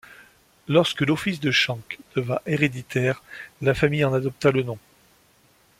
Lorsque l'office de Schenk devint héréditaire, la famille en adopta le nom.